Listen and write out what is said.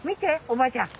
おばあちゃん。